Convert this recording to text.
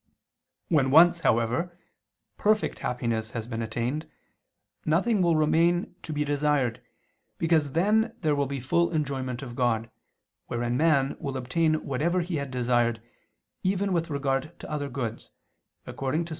When once, however, perfect happiness has been attained, nothing will remain to be desired, because then there will be full enjoyment of God, wherein man will obtain whatever he had desired, even with regard to other goods, according to Ps.